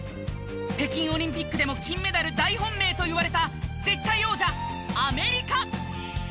北京オリンピックでも金メダル大本命といわれた絶対王者アメリカ。